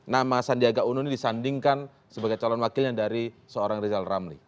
nama sandiaga uno ini disandingkan sebagai calon wakilnya dari seorang rizal ramli